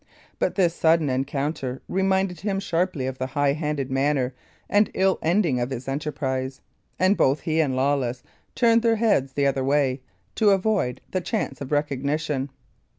But this sudden encounter reminded him sharply of the high handed manner and ill ending of his enterprise; and both he and Lawless turned their heads the other way, to avoid the chance of recognition.